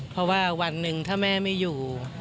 เพราะว่าวันหนึ่งถ้าแม่ไม่อยู่